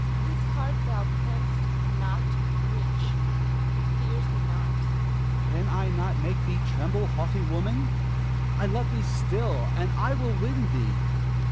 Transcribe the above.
This heart thou canst not reach. It fears thee not. Don Felix. Can I not make thee tremble, haughty woman? I love thee still, and I will win thee.